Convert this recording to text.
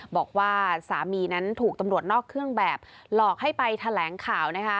บอกว่าสามีนั้นถูกตำรวจนอกเครื่องแบบหลอกให้ไปแถลงข่าวนะคะ